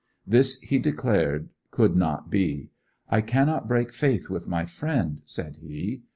This, he declared, could not be. 'I cannot break faith with my friend,' said he.